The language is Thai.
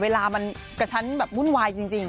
เวลามันกระชั้นแบบวุ่นวายจริง